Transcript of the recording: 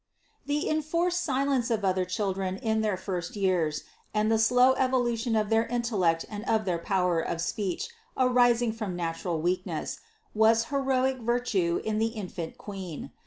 The enforced silence of other children in their first years, and the slow evolution of their intellect and of their power of speech arising from natural weakness, was heroic virtue in the infant Queen.